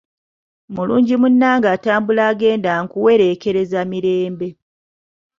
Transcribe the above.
Mulungi munnange atambula agenda, nkuwereekereza mirembe